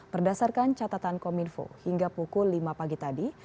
berdasarkan catatan kominfo hingga pukul lima pagi tadi